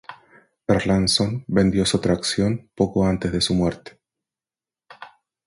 Erlandson vendió su atracción poco antes de su muerte.